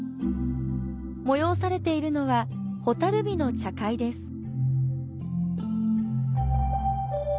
催されているのは蛍火の茶会です。